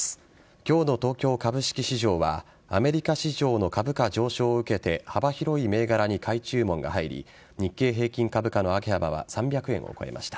今日の東京株式市場はアメリカ市場の株価上昇を受けて幅広い銘柄に買い注文が入り日経平均株価の上げ幅は３００円を超えました。